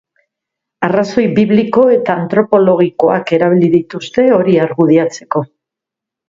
Arrazoi bibliko eta antropologikoak erabili dituzte hori argudiatzeko.